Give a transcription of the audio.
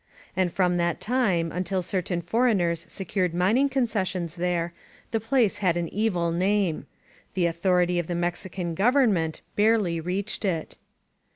And from that time, until certain foreigners secured mining concessions there, the place had an evil name. The authority of the Mexican government barely reached it.